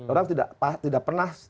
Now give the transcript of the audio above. orang tidak pernah